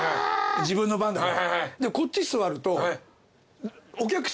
自分の番だから。